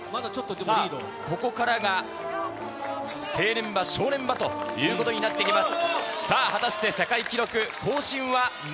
さあ、ここからが正念場ということになってきます。